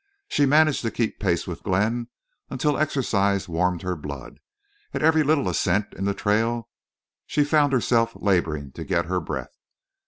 She managed to keep pace with Glenn until exercise warmed her blood. At every little ascent in the trail she found herself laboring to get her breath.